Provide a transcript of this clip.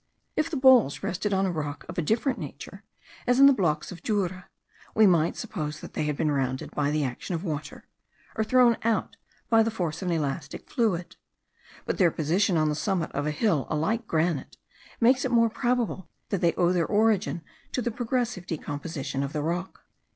If the balls rested on a rock of a different nature, as in the blocks of Jura, we might suppose that they had been rounded by the action of water, or thrown out by the force of an elastic fluid; but their position on the summit of a hill alike granitic, makes it more probable that they owe their origin to the progressive decomposition of the rock.